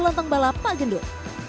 lontong bala pak gendut